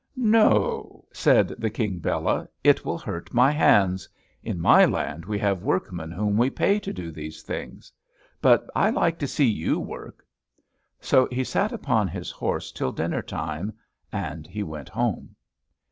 "No," said the King Bela, "it will hurt my hands. In my land we have workmen whom we pay to do these things. But I like to see you work." So he sat upon his horse till dinner time, and he went home.